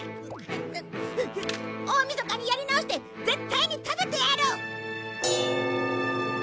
大みそかにやり直して絶対に食べてやる！